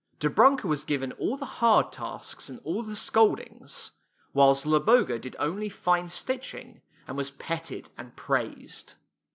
Dobrunka was given all the hard tasks, and all the scoldings, while Zloboga did only fine stitching, and was petted and praised.